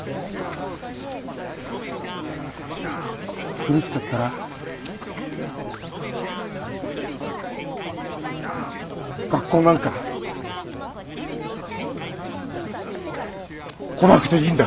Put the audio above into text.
苦しかったら学校なんか来なくていいんだ。